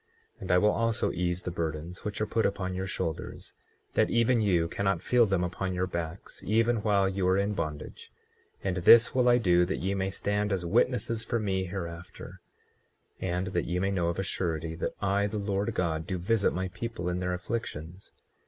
24:14 And I will also ease the burdens which are put upon your shoulders, that even you cannot feel them upon your backs, even while you are in bondage; and this will I do that ye may stand as witnesses for me hereafter, and that ye may know of a surety that I, the Lord God, do visit my people in their afflictions.